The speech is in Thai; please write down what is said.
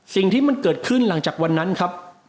สิ่งที่มันเกิดขึ้นหลังจากวันนั้นครับ